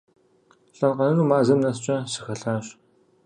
ЛӀэн-къэнэну мазэм нэскӀэ сыхэлъащ.